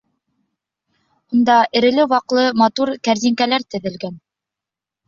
Унда эреле-ваҡлы матур кәрзинкәләр теҙелгән.